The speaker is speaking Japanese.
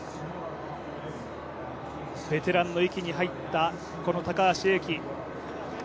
ベテランの域に入った高橋英輝。